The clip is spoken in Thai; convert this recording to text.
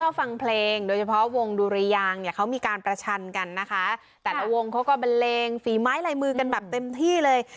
ฟังเพลงโดยเฉพาะวงดุริยางเนี่ยเขามีการประชันกันนะคะแต่ละวงเขาก็บันเลงฝีไม้ลายมือกันแบบเต็มที่เลย